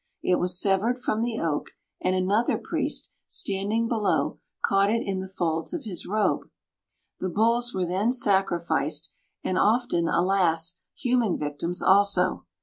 It was severed from the oak, and another priest, standing below, caught it in the folds of his robe. The bulls were then sacrificed, and often, alas, human victims also.